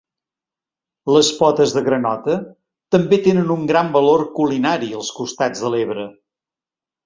Les potes de granota també tenen un gran valor culinari als costats de l'Ebre.